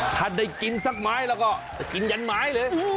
ถ้าได้กินสักไม้แล้วก็จะกินยันไม้เลย